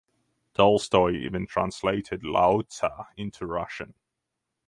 Tolstoy even translated Laozi into Russian.